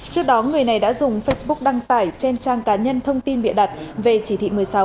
trước đó người này đã dùng facebook đăng tải trên trang cá nhân thông tin bịa đặt về chỉ thị một mươi sáu